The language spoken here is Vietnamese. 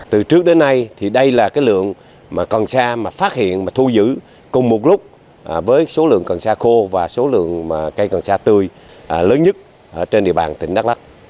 từ trước đến nay thì đây là cái lượng mà còn xa mà phát hiện và thu giữ cùng một lúc với số lượng cần xa khô và số lượng cây cần sa tươi lớn nhất trên địa bàn tỉnh đắk lắc